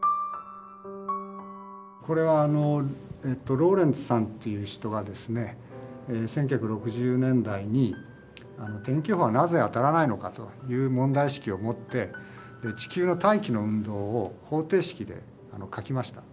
これはローレンツさんっていう人がですね１９６０年代に天気予報はなぜ当たらないのかという問題意識を持って地球の大気の運動を方程式で書きました。